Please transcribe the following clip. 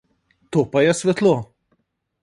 To pa je svetlo!